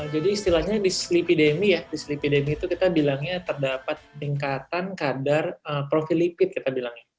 jadi istilahnya di sleepidemi ya di sleepidemi itu kita bilangnya terdapat tingkatan kadar profil lipid kita bilangnya